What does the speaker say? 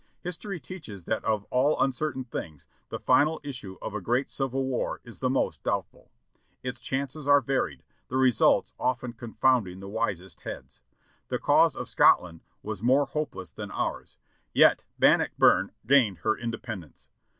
History teaches that of all uncertain things, the final issue of a great civil war is the most doubtful. Its chances are varied; the results often confounding the wisest heads. The cause of Scotland was more hopeless than ours, yet Bannockburn gained her independence.